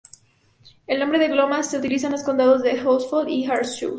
El nombre de "Glomma" se utiliza en los condados de Østfold y Akershus.